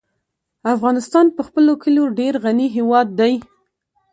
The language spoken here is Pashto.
افغانستان په خپلو کلیو ډېر غني هېواد دی.